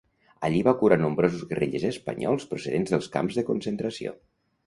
Allí va curar nombrosos guerrillers espanyols procedents dels camps de concentració.